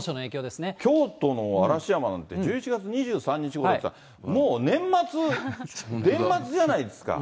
京都の嵐山なんて、１１月２３日ごろですから、もう年末、年末じゃないですか。